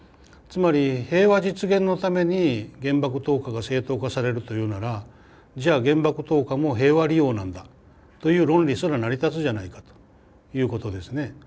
つまり平和実現のために原爆投下が正当化されるというならじゃあ原爆投下も平和利用なんだという論理すら成り立つじゃないかということですね。